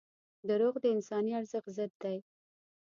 • دروغ د انساني ارزښت ضد دي.